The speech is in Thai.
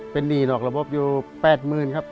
เป็นหนี่นอกระบบอยู่แปดหมื่นครับ